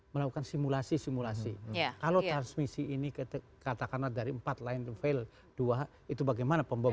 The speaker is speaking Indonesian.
melakukan simulasi simulasi ya kalau tersebut si ini kita katakanlah dari bagian dalamnya dari bagian di dalamnya tersebut juga terlihat tidak terlihat secara pribadi